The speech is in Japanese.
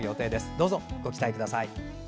どうぞご期待ください。